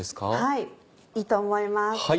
いいと思います。